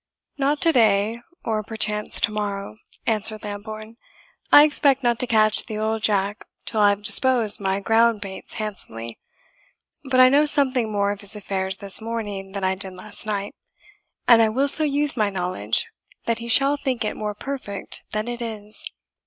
"Not to day, or perchance to morrow," answered Lambourne; "I expect not to catch the old jack till. I have disposed my ground baits handsomely. But I know something more of his affairs this morning than I did last night, and I will so use my knowledge that he shall think it more perfect than it is.